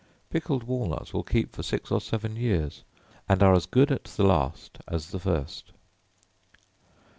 Pickled walnuts will keep for six or seven years, and are as good at the last as the first.